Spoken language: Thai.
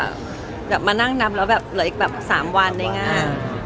อันนี้มานั่งนำแล้วเหลือแบบ๓วันในห้าม